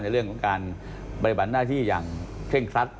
ในเรื่องขึ้นการบริบันหน้าที่อย่างเผ็นคลัด